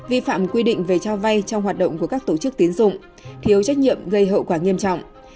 vi phạm quy định về cho vay trong hoạt động của các tổ chức tiến dụng thiếu trách nhiệm gây hậu quả nghiêm trọng